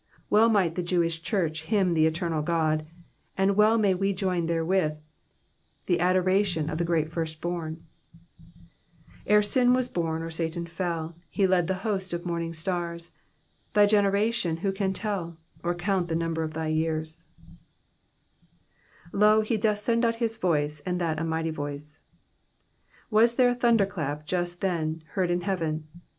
'' Well might the Jewish church hymn the eternal God, and well may we join therewith the adoration of the Great Firstborn :—Bre sin was bom, or Satan fell. He led the host of momiiig sturs. Tby generation who can tell ? Or count the numt>er of thy years ? Digitized by VjOOQIC P8ALH THE SIXTY EIGHTH. 227 ^^Loy he doth iend out his voice, and that a mighty wiee,'*^ Was there a thunder clap just then heard in heaven